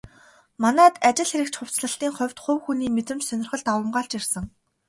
Манайд ажил хэрэгч хувцаслалтын хувьд хувь хүний мэдрэмж, сонирхол давамгайлж ирсэн.